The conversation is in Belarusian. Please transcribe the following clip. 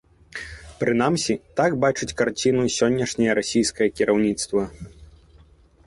Прынамсі так бачыць карціну сённяшняе расійскае кіраўніцтва.